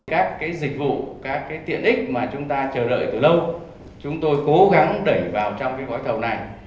các dịch vụ các cái tiện ích mà chúng ta chờ đợi từ lâu chúng tôi cố gắng đẩy vào trong cái gói thầu này